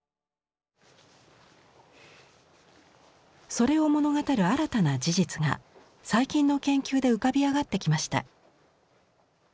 それを物語る新たな事実が最近の研究で浮かび上がってきました。